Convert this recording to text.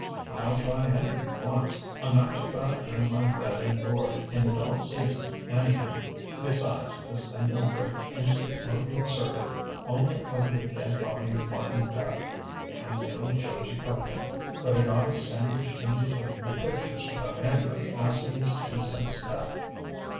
"I'll try anything once; I'm not too proud to earn my bed and board in the dull season, anyhow. Besides, this thing would break into the Orpheum Circuit only over the dead body of Martin Beck. I'm no Georgie Cohan. But it oughta sandwich in between the pictures without anybody asking his ten cents back."